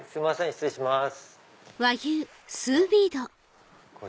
失礼します